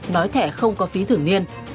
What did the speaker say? nói thẻ không có phí thưởng niên